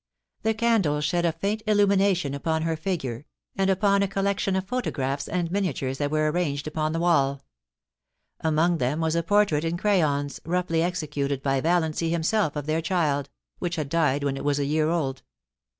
The candles shed a faint illumination upon her figure, and upon a collection of photographs and miniatures that were arranged upon the wall. Among them was a portrait in crayons, roughly executed by Valiancy himself of their child, which had died when it was a year old.